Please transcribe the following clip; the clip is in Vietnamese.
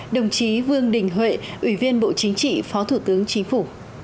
đồng chí vương đình huệ ủy viên bộ chính trị phó thủ tướng chính phủ